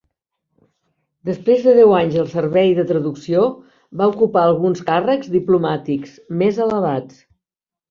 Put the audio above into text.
Després de deu anys al servei de traducció va ocupar alguns càrrecs diplomàtics més elevats.